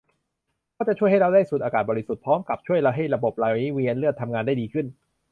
ก็จะช่วยให้เราได้สูดอากาศบริสุทธิ์ พร้อมกับช่วยให้ระบบไหลเวียนเลือดทำงานได้ดีขึ้น